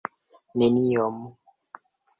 neniom